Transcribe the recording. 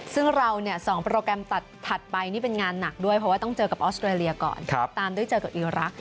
ซึ่งเราเนี่ย๒โปรแกรมตัดถัดไปนี่เป็นงานหนักด้วยเพราะว่าต้องเจอกับออสเตรเลียก่อนตามด้วยเจอกับอีรักษ